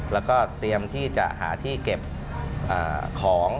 แล้วก็เตรียมที่จะหาที่เก็บของ